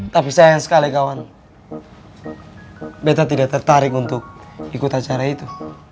tapi sayang sekali kawan beta tidak tertarik untuk ikut acara itu